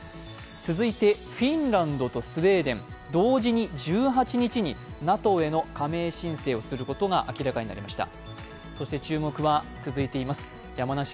続いてフィンランドとスウェーデン、同時に１８日にＮＡＴＯへの加盟申請をすることが明らかになりました。